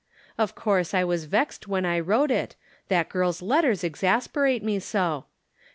Of course I was vexed when I wrote it, hat girl's letters exasperate me so